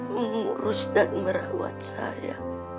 mengurus dan merawat saya